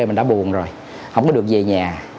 mình đã buồn rồi không có được về nhà